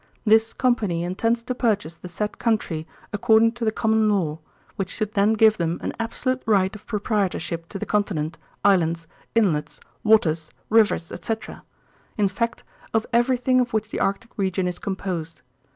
This Company intends to purchase the said country according to the common law, which should then give them an absolute right of proprietorship to the continent, islands, inlets, waters, rivers, etc.; in fact, of everything of which the Arctic region is composed.